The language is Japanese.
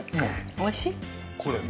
おいしい？